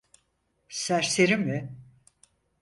Serseri mi?